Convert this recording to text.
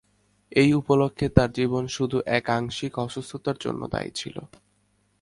এই উপলক্ষে তার জীবন শুধু এক আকস্মিক অসুস্থতার জন্য দায়ী ছিল।